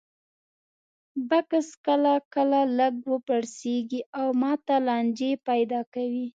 بکس کله کله لږ وپړسېږي او ماته لانجې پیدا کوي.